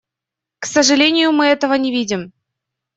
К сожалению, мы этого не видим.